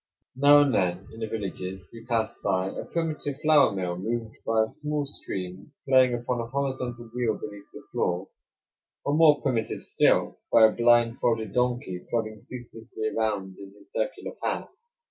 Now and then in the villages we passed by a primitive flour mill moved by a small stream playing upon a horizontal wheel beneath the floor; or, more primitive still, by a blindfolded donkey plodding ceaselessly around in his circular path.